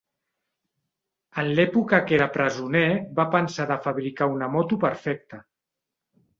En l'època que era presoner va pensar de fabricar una moto perfecta.